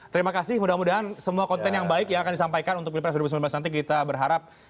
terima kasih mudah mudahan semua konten yang baik yang akan disampaikan untuk pilpres dua ribu sembilan belas nanti kita berharap